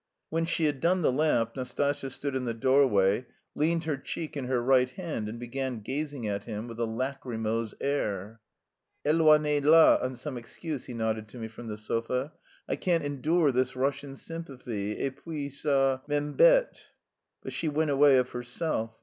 When she had done the lamp, Nastasya stood in the doorway, leaned her cheek in her right hand, and began gazing at him with a lachrymose air. "Eloignez la on some excuse," he nodded to me from the sofa. "I can't endure this Russian sympathy, et puis ça m'embête." But she went away of herself.